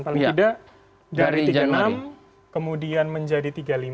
paling tidak dari tiga puluh enam kemudian menjadi tiga puluh lima